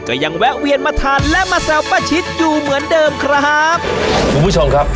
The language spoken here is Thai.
ก็ยังแวะเวียนมาทานและมาแซวป้าชิดอยู่เหมือนเดิมครับคุณผู้ชมครับ